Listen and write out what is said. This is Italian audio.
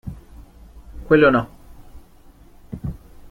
Quello no!